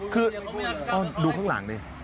คือดูข้างหลังดิ